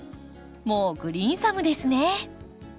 もうグリーンサムですね。